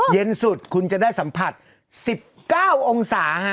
เย็นสุดคุณจะได้สัมผัส๑๙องศา